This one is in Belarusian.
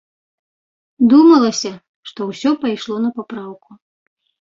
Думалася, што ўсё пайшло на папраўку.